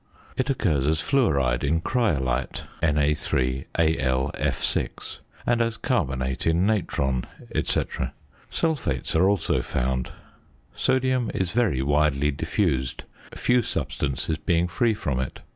It occurs as fluoride in cryolite (Na_AlF_), and as carbonate in natron, &c. Sulphates are also found. Sodium is very widely diffused, few substances being free from it.